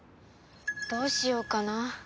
どうしようかな。